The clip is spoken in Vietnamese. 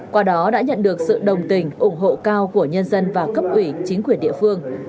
qua đó đã nhận được sự đồng tình ủng hộ cao của nhân dân và cấp ủy chính quyền địa phương